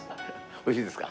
美味しいですか？